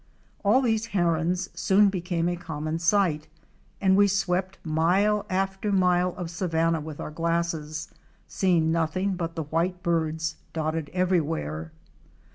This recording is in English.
All these Herons.soon became a common sight, and we swept mile after mile of savanna with our glasses, seeing noth ing but the white birds dotted everywhere.